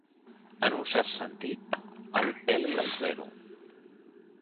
En un cert sentit, el peli al zero.